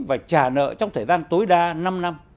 và trả nợ trong thời gian tối đa năm năm